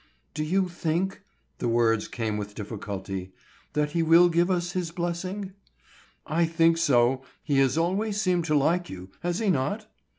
"Do you think"—the words came with difficulty,—"that he will give us his blessing?" "I think so; he has always seemed to like you, has he not?"